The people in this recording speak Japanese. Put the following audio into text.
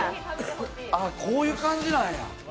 こういう感じなんや。